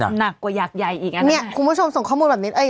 น่ากว่ายากใหญ่อีกเนี่ยคุณผู้ชมส่งข้อมูลแบบนี้